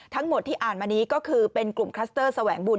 ทั้งหมดที่อ่านมานี้ก็คือเป็นกลุ่มคลัสเตอร์แสวงบุญ